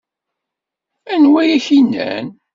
Anwa i ak-innan?